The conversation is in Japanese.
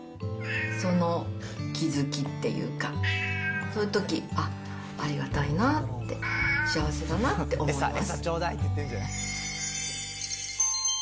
その気づきっていうか、そういうとき、あっ、ありがたいなって、幸せだなって思います。